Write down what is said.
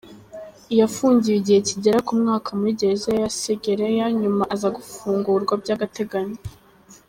Yafungiwe igihe kigera ku mwaka muri Gereza ya Segerea nyuma aza gufungurwa by’agateganyo.